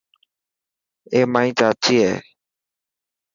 اي مائي چاچي هي.